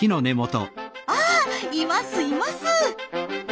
あいますいます！